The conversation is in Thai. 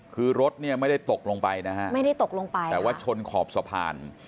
คือรถไม่ได้ตกลงไปแต่ว่าชนขอบสะพาน